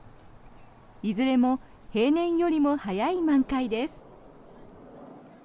いずれも平年よりも早い満開です。